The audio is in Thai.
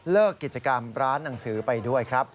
กิจกรรมร้านหนังสือไปด้วยครับ